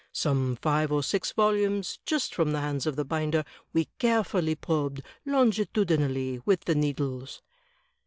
Some five or six volumes, just from the hands of the binder, we care fully probed, longitudinally, with the needles."